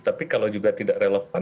tapi kalau juga tidak relevan